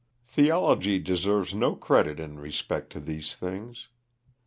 Theology deserves no credit in respect to these things.